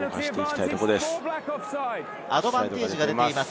アドバンテージが出ています。